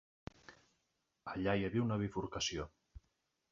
Allà hi havia una bifurcació.